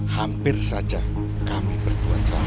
hampir saja kami berdua telah